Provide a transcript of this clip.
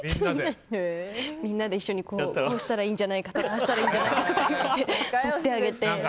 みんなで一緒にこうしたらいいんじゃないかああしたらいいんじゃないかってそってあげて。